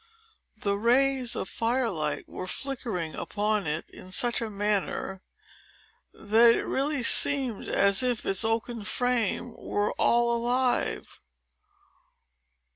The rays of fire light were flickering upon it in such a manner that it really seemed as if its oaken frame were all alive.